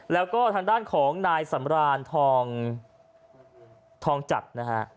แล้วก็ทางด้านของนายสำรานทองทองจัดนะฮะ